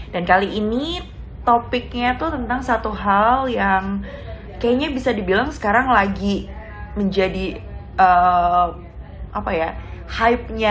dan kali ini topiknya tuh tentang satu hal yang kayaknya bisa dibilang sekarang lagi menjadi hype nya